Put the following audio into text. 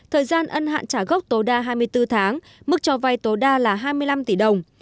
thời gian ân hạn trả gốc tối đa hai mươi bốn tháng mức cho vay tối đa là hai mươi năm tỷ đồng